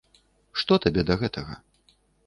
Што табе да гэтага?